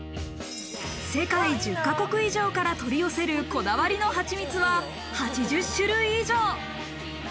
世界１０か国以上から取り寄せるこだわりの蜂蜜は８０種類以上。